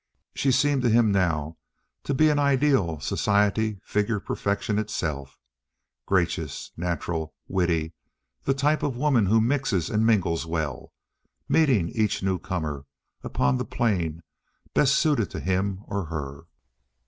She seemed to him now to be an ideal society figure perfection itself—gracious, natural, witty, the type of woman who mixes and mingles well, meeting each new comer upon the plane best suited to him or her.